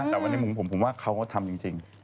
อ๋ออันนี้ไม่รู้นะผมว่าเขาเขาทำจริง